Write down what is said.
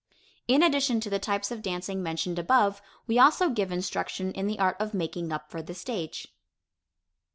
In addition to the types of dancing mentioned above, we also give instruction in the art of making up for the stage.